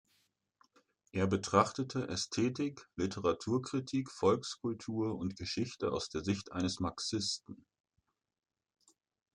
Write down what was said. Er betrachtete Ästhetik, Literaturkritik, Volkskultur und Geschichte aus der Sicht eines Marxisten.